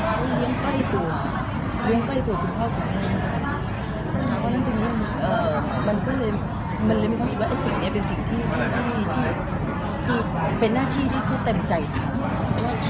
แต่เขาเลี้ยงใกล้ตัวเลี้ยงใกล้ตัวคุณพ่อคุณแม่นี่ค่ะมันก็เลยมีความสัมพันธ์ว่าสิ่งนี้เป็นสิ่งที่ได้เป็นหน้าที่ที่เขาเต็มใจทำ